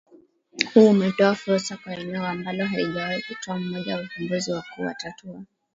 huu umetoa fursa kwa eneo ambalo halijawahi kutoa mmoja wa viongozi wakuu watatu wa